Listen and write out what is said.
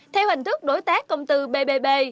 theo hình thức đối tác công tư bbb